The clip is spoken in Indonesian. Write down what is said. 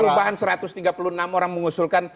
perubahan satu ratus tiga puluh enam orang mengusulkan